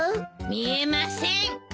見えません。